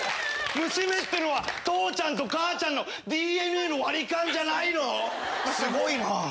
⁉娘ってのは父ちゃんと母ちゃんのＤＮＡの割り勘じゃないの？